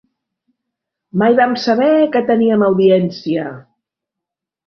Mai vam saber que teníem audiència!